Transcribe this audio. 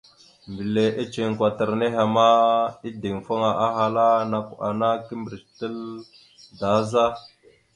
Mbile iceŋ kwatar nehe ma, ideŋfaŋa, ahala: « Nakw ana kimbirec naɗ da za? ».